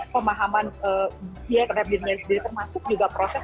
pemahaman dia terhadap dirinya sendiri termasuk juga proses